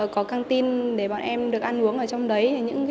có canteen để bọn em được ăn uống ở trong đấy